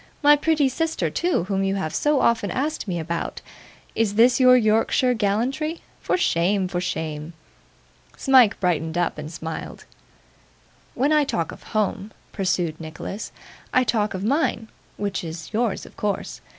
my pretty sister too, whom you have so often asked me about. Is this your Yorkshire gallantry? For shame! for shame!' Smike brightened up and smiled. 'When I talk of home,' pursued Nicholas, 'I talk of mine which is yours of course.